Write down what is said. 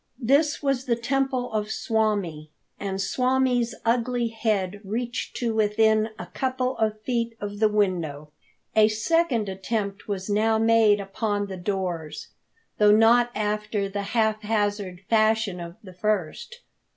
This was the temple swami, and swami's ugly head reached to within a couple of feet of the window. A second attempt was now made upon the doors, though not after the haphazard fashion of the first.